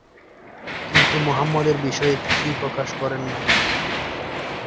কিন্তু মোহাম্মদের বিষয়ে কিছুই প্রকাশ করেন না।